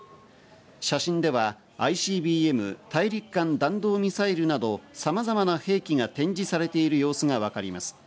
写真ではＩＣＢＭ＝大陸間弾道ミサイルなど、さまざまな兵器が展示されている様子が分かります。